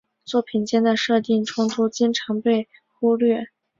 作品间的设定冲突经常被忽略。